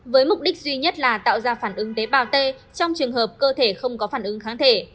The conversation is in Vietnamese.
với mục đích duy nhất là tạo ra phản ứng tế bào t trong trường hợp cơ thể không có phản ứng kháng thể